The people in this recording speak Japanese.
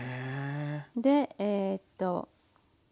でええと。